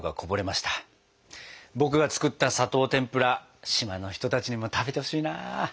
僕が作った砂糖てんぷら島の人たちにも食べてほしいな。